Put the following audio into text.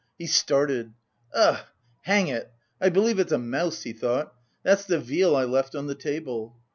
He started. "Ugh! hang it! I believe it's a mouse," he thought, "that's the veal I left on the table."